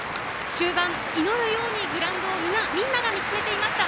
終盤、祈るようにグラウンドをみんなが見つめていました。